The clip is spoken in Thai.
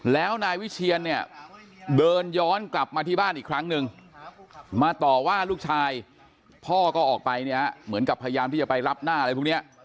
แล้วนายวิเชียนเนี่ยเดินย้อนกลับมาที่บ้านอีกครั้งนึงมาต่อว่าลูกชายพ่อก็ออกไปเนี่ยเหมือนกับพยายามที่จะไปรับหน้าอะไรพวกนี้